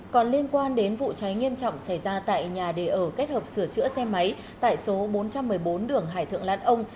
còn liên quan đến vụ cháy nghiêm trọng xảy ra tại nhà đề ở kết hợp sửa chữa xe máy tại số bốn trăm một mươi bốn đường hải thượng lan ông